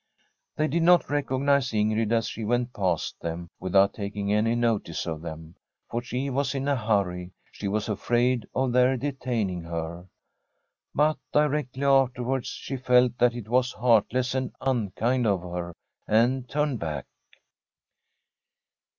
They did not recognise Ingrid, and she went past them without taking any notice of them, for she was in a hurry; she was afraid of their de taining her. But directly afterwards she felt that it was heartless and unkind of her, and turned back.